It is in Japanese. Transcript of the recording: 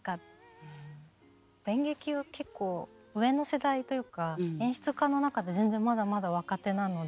演劇を結構上の世代というか演出家の中で全然まだまだ若手なので。